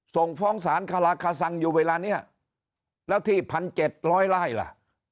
ส่งฟ้องศาลคาลาคาซังอยู่เวลานี้แล้วที่พันเจ็ดร้อยล่ายล่ะ